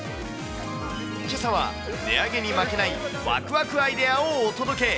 けさは、値上げに負けないわくわくアイデアをお届け。